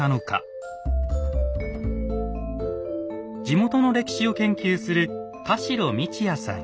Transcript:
地元の歴史を研究する田代道彌さん。